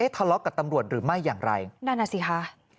ทะเลาะกับตำรวจหรือไม่อย่างไรนั่นน่ะสิคะ